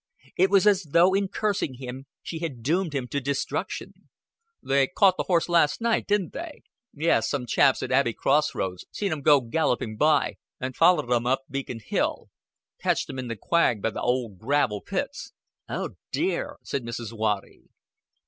It was as though in cursing him she had doomed him to destruction. "They caught the horse last night, didn't they?" "Yes. Some chaps at Abbey Cross Roads see un go gallopin' by, and followed un up Beacon Hill. Catched un in the quag by th' old gravel pits." "Oh, dear!" said Miss Waddy.